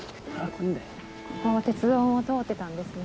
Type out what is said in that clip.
ここも鉄道通ってたんですね。